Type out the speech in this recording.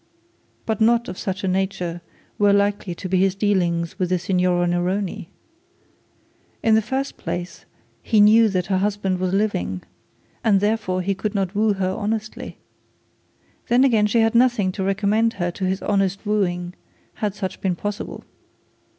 But not of such a nature were likely to be his dealings with the Signora Neroni. In the first place he knew that her husband was living, and therefore he could not woo her honestly. Then again she had nothing to recommend her to his honest wooing had such been possible.